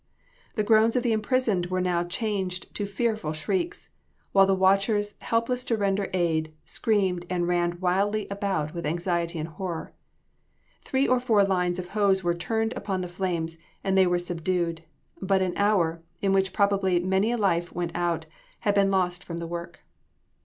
The groans of the imprisoned were now changed to fearful shrieks, while the watchers, helpless to render aid, screamed and ran wildly about with anxiety and horror. Three or four lines of hose were turned upon the flames, and they were subdued; but an hour, in which probably many a life went out, had been lost from the work.